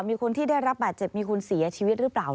มีคนที่ได้รับบาดเจ็บมีคนเสียชีวิตหรือเปล่า